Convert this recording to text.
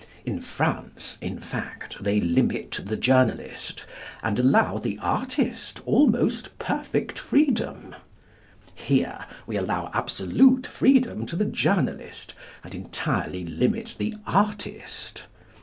In France, in fact, they limit the journalist, and allow the artist almost perfect freedom. Here we allow absolute freedom to the journalist, and entirely limit the artist.